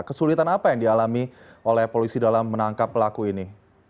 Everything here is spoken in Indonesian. kesulitan apa yang dialami oleh polisi dalam menangkap pelaku ini